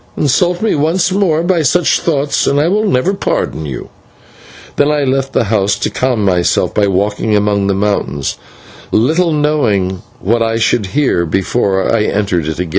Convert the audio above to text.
Insult me once more by such thoughts and I will never pardon you." And I left the house to calm myself by walking among the mountains, little knowing what I should hear before I entered it again.